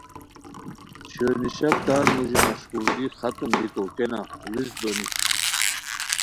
چھویو نیشاک تان موژی مشقولگی ختم بیکو کینہ ڑیڅ دونی